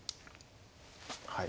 はい。